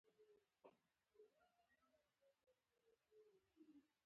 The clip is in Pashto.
مړه ته د اخلاص دعا ورسوې